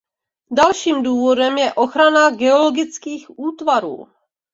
Dalším důvodem je ochrana geologických útvarů.